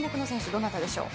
どなたでしょう。